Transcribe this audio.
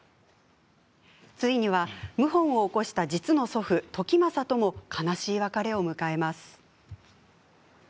ついには、謀反を起こした実の祖父、時政とも悲しい別れを迎えます。